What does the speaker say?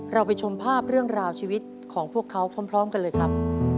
เราไปชมภาพเรื่องราวชีวิตของพวกเขาพร้อมกันเลยครับ